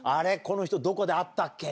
この人どこで会ったっけな？